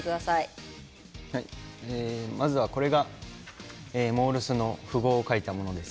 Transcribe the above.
まずは、これがモールスの符号を書いたものです。